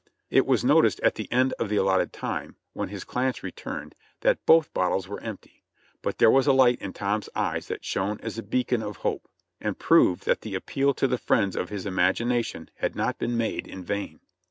It was noticed at the end of the allotted time, when his clients returned, that both bottles were empty ; but there was a light in Tom's eyes that shone as a beacon of hope, and proved that the appeal to the friends of his imagination had not been made in vain.